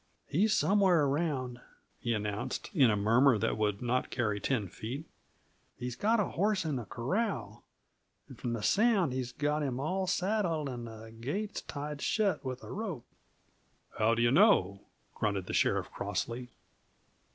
"He's somewheres around," he announced, in a murmur that would not carry ten feet. "He's got a horse in the corral, and, from the sound, he's got him all saddled; and the gate's tied shut with a rope." "How d'yuh know?" grunted the sheriff crossly.